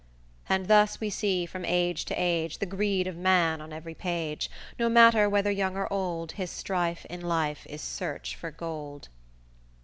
_And thus we see from age to age, The greed of man on every page; No matter whether young or old, His strife in life is search for gold!